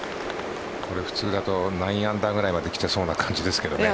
これ普通だと９アンダーぐらいまで来てそうな感じですけどね。